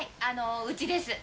うちです。